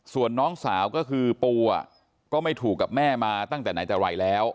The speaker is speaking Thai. ส่วนน้องสาวก็คือปูก็ไม่ถูกกับแม่มาตั้งแต่ไหนแต่ไรแล้ว